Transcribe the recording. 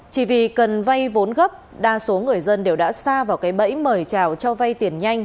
chỉ vì cần vay vốn gấp đa số người dân đều đã xa vào cái bẫy mời chào cho vay tiền nhanh